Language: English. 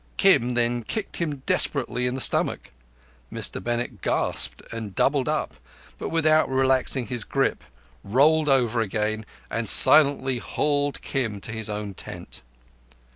Kim then kicked him desperately in the stomach. Mr Bennett gasped and doubled up, but without relaxing his grip, rolled over again, and silently hauled Kim to his own tent.